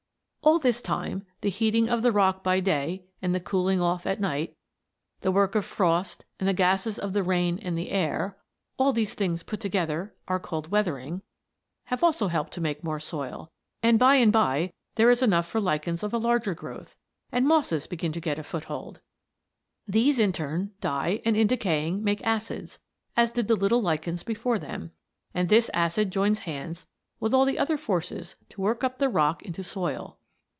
All this time the heating of the rock by day and the cooling off at night, the work of frost and the gases of the rain and the air have also helped to make more soil and by and by there is enough for lichens of a larger growth; and mosses begin to get a foothold. These, in turn, die and, in decaying, make acids, as did the little lichens before them, and this acid joins hands with all the other forces to work up the rock into soil.